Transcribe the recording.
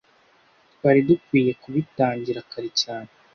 Twari dukwiye kubitangira kare cyane